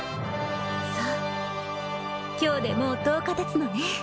そう今日でもう１０日たつのね